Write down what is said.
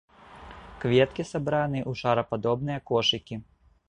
Кветкі сабраныя ў шарападобныя кошыкі.